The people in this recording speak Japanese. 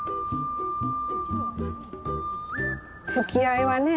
つきあいはね